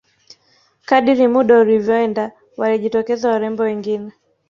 kadiri muda ulivyoenda walijitokeza warembo wengine